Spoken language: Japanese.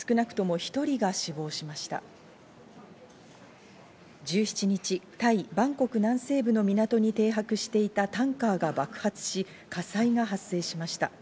１７日、タイ・バンコク南西部の港に停泊していたタンカーが爆発し、火災が発生しました。